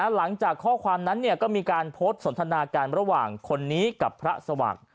หลังจากข้อความนั้นก็มีการโพสต์สนทนาการระหว่างคนนี้กับพระสว่าง